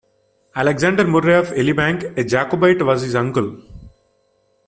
Alexander Murray of Elibank, a Jacobite, was his uncle.